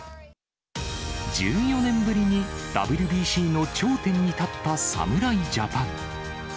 １４年ぶりにＷＢＣの頂点に立った侍ジャパン。